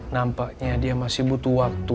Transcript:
nampaknya dia masih butuh waktu